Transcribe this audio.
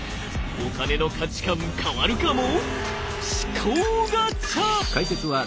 お金の価値観変わるかも！？